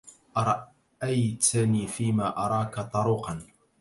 أرأيتني فيما أراك طروقا